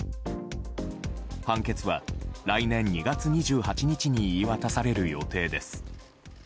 判決は来年２月２８日に言い渡される予定です。